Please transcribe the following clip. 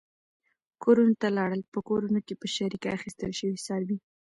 کورونو ته لاړل، په کورونو کې په شریکه اخیستل شوي څاروي.